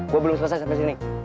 gue belum selesai sampai sini